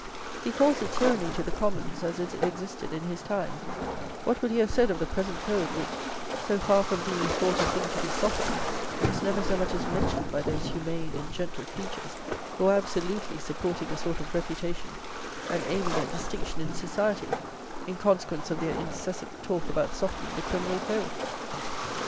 He calls it tyranny to the commons, as it existed in his time; what would he have said of the present Code; which, so far from being thought a thing to be softened, is never so much as mentioned by those humane and gentle creatures, who are absolutely supporting a sort of reputation, and aiming at distinction in Society, in consequence of their incessant talk about softening the Criminal Code?